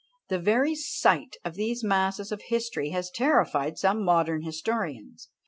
The very sight of these masses of history has terrified some modern historians.